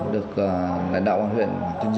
được lãnh đạo quản luyện